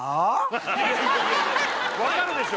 分かるでしょ